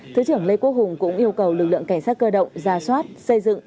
thứ trưởng lê quốc hùng cũng yêu cầu lực lượng cảnh sát cơ động ra soát xây dựng